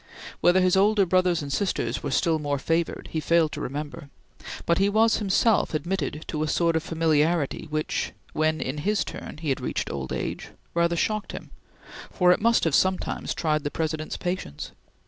Whether his older brothers and sisters were still more favored he failed to remember, but he was himself admitted to a sort of familiarity which, when in his turn he had reached old age, rather shocked him, for it must have sometimes tried the President's patience.